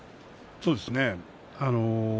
そうですね。